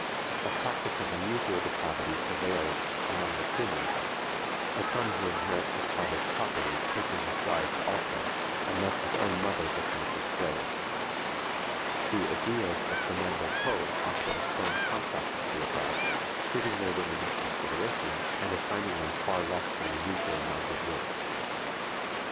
A practice of unusual depravity prevails among the Kroomen, a son who inherits his father's property taking his wives also, and thus his own mother becomes his slave. The Edeeyahs of Fernando Po offer a strong contrast to the above, treating their women with consideration, and assigning them far less than the usual amount of work.